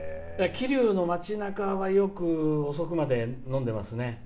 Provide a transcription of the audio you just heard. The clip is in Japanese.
桐生の町なかは、よく遅くまで飲んでますね。